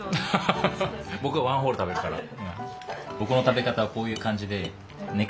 僕がワンホール食べるから。